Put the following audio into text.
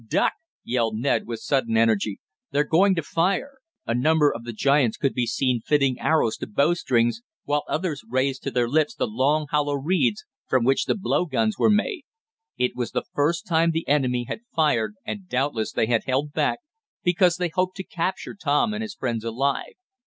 "Duck!" yelled Ned with sudden energy. "They're going to fire!" A number of the giants could be seen fitting arrows to bow strings, while others raised to their lips the long hollow reeds, from which the blow guns were made. It was the first time the enemy had fired and doubtless they had held back because they hoped to capture Tom and his friends alive.